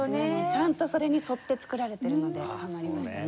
ちゃんとそれに沿って作られているのでハマりましたね。